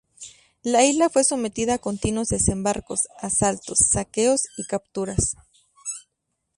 La isla fue sometida a continuos desembarcos, asaltos, saqueos y capturas.